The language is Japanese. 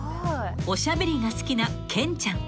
［おしゃべりが好きなケンちゃん］